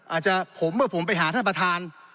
อาจจะผมเมื่อผมไปหาท่านประธาน